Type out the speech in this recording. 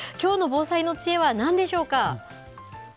きょうの防災の知恵は、なんでしょうか。